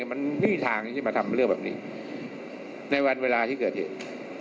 มันไม่มีทางที่จะมาทำเรื่องแบบนี้ในวันเวลาที่เกิดเหตุ